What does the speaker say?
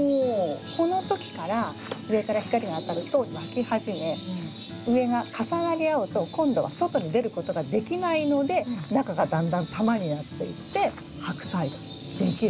この時から上から光が当たると巻き始め上が重なり合うと今度は外に出ることができないので中がだんだん球になっていってハクサイができるんです。